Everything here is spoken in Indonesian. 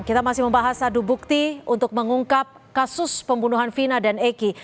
kita masih membahas adu bukti untuk mengungkap kasus pembunuhan vina dan eki